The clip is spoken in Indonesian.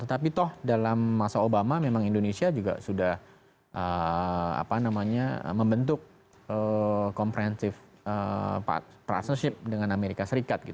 tetapi toh dalam masa obama memang indonesia juga sudah membentuk komprehensive partnership dengan amerika serikat